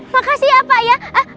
makasih ya pak ya